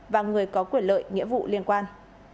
và người có quyền lợi nghĩa vụ liên quan